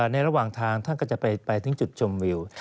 ระหว่างทางท่านก็จะไปถึงจุดชมวิว